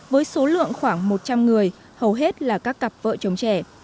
với số lượng khoảng một trăm linh người hầu hết là các cặp vợ chồng trẻ